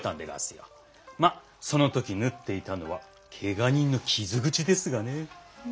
まっそのとき縫っていたのはけが人の傷口ですがね。